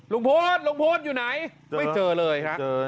ลุงพลลุงพลอยู่ไหนไม่เจอเลยฮะ